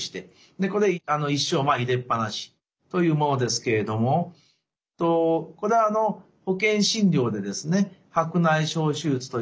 でこれ一生入れっ放しというものですけれどもこれ保険診療でですね